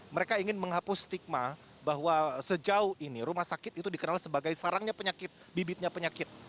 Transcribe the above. mereka ingin menghapus stigma bahwa sejauh ini rumah sakit itu dikenal sebagai sarangnya penyakit bibitnya penyakit